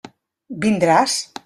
Vindràs?